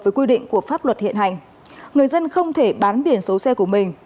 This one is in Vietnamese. với quy định của pháp luật hiện hành người dân không thể bán biển số xe của mình